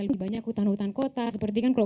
lebih banyak hutan hutan kota seperti kan kalau